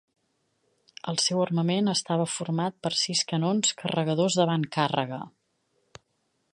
El seu armament estava format per sis canons carregadors d'avantcàrrega.